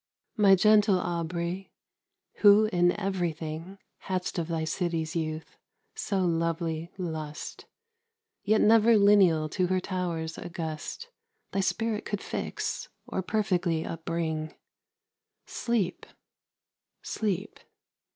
My gentle Aubrey, who in everything Hadst of thy city's youth so lovely lust, Yet never lineal to her towers august Thy spirit could fix, or perfectly upbring, Sleep, sleep!